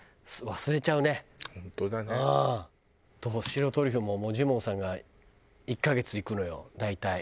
白トリュフもジモンさんが１カ月行くのよ大体。